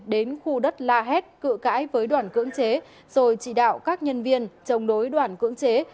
đến khu đất la hét cự cãi với đoàn cưỡng chế rồi chỉ đạo các nhân viên chống đối đoàn cưỡng chế